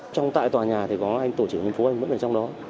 trong tại tòa nhà thì có anh tổ chức huyện phố anh vẫn ở trong đó